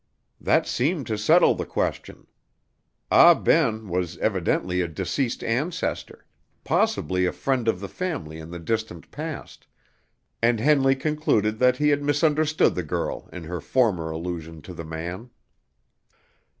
That seemed to settle the question. Ah Ben was evidently a deceased ancestor; possibly a friend of the family in the distant past, and Henley concluded that he had misunderstood the girl in her former allusion to the man.